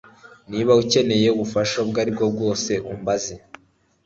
Niba ukeneye ubufasha ubwo ari bwo bwose umbaze